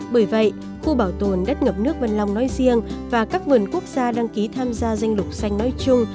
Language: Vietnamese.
bởi vậy khu bảo tồn đất ngập nước vân long nói riêng và các vườn quốc gia đăng ký tham gia danh lục xanh nói chung